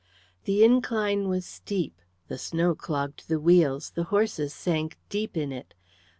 The incline was steep, the snow clogged the wheels, the horses sank deep in it.